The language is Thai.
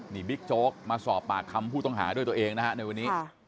นี่บิ๊กโจ๊กมาสอบปากคำผู้ต้องหาด้วยตัวเองนะฮะในวันนี้